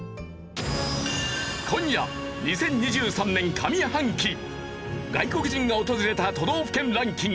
今夜２０２３年上半期外国人が訪れた都道府県ランキング